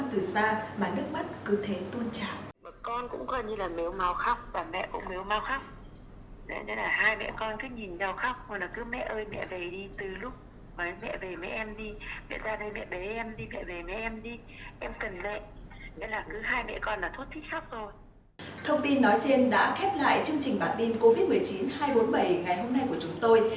thông tin nói trên đã khép lại chương trình bản tin covid một mươi chín hai trăm bốn mươi bảy ngày hôm nay của chúng tôi